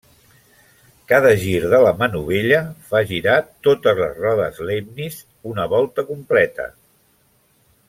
Cada gir de la manovella fa girar totes les rodes Leibniz una volta completa.